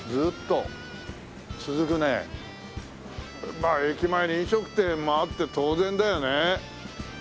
まあ駅前に飲食店もあって当然だよね。